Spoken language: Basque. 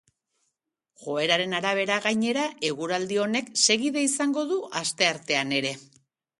Joeraren arabera, gainera, eguraldi honek segida izango du asteartean ere.